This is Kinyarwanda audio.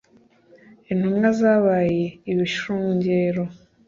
intumwa zabaye ibishungero